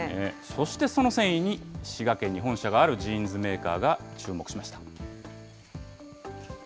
そして、その繊維に滋賀県に本社があるジーンズメーカーが注目しました。